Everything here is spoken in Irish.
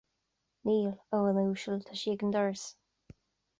Níl, a dhuine uasail, tá sí ag an doras